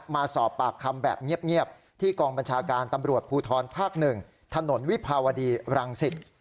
มาสอบปากคำแบบเงียบที่กองบัญชาการตำรวจภูทรภาค๑ถนนวิภาวดีรังสิต